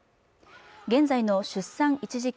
現在の出産一時金